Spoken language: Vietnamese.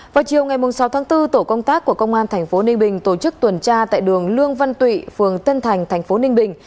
vào chiều ngày sáu tháng bốn tổ công tác của công an tp ninh bình tổ chức tuần tra tại đường lương văn tụy phường tân thành thành phố ninh bình